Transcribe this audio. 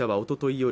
夜